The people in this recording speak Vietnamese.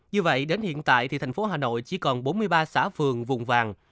như vậy đến hiện tại thì thành phố hà nội chỉ còn bốn mươi ba xã phường vùng vàng